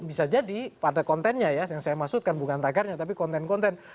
bisa jadi pada kontennya ya yang saya maksudkan bukan tagarnya tapi konten konten